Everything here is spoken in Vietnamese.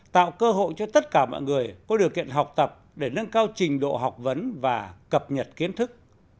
tạo cơ hội cho tất cả mọi người có điều kiện học tập để nâng cao trình độ học vấn và cập nhật kiến thức